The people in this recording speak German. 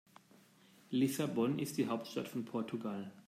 Lissabon ist die Hauptstadt von Portugal.